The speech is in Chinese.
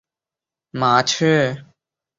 乾隆五十一年八月调升四川成都县知县。